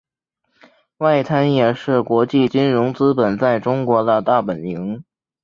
外滩也是国际金融资本在中国的大本营。